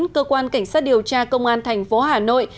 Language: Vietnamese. cơ quan cảnh sát điều tra công an thành phố hà nội